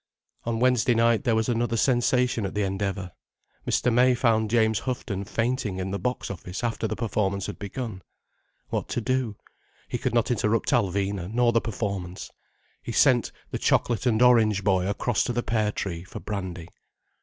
On Wednesday night there was another sensation at the Endeavour. Mr. May found James Houghton fainting in the box office after the performance had begun. What to do? He could not interrupt Alvina, nor the performance. He sent the chocolate and orange boy across to the Pear Tree for brandy.